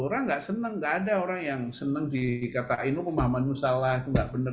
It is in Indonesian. orang nggak senang nggak ada orang yang senang dikatain pemahamannya salah nggak bener